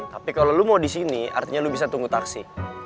tapi kalau lo mau di sini artinya lo bisa tunggu taksi